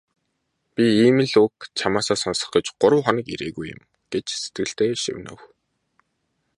"Би ийм л үг чамаасаа сонсох гэж гурав хоног ирээгүй юм" гэж сэтгэлдээ шивнэв.